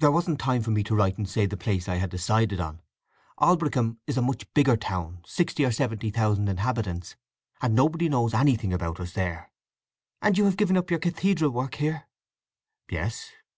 "There wasn't time for me to write and say the place I had decided on. Aldbrickham is a much bigger town—sixty or seventy thousand inhabitants—and nobody knows anything about us there." "And you have given up your cathedral work here?" "Yes.